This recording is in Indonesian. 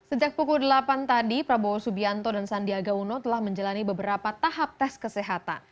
sejak pukul delapan tadi prabowo subianto dan sandiaga uno telah menjalani beberapa tahap tes kesehatan